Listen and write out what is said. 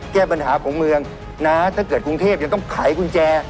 แก้ปัญหาของเมืองนะถ้าเกิดกรุงเทพยังต้องไขกุญแจ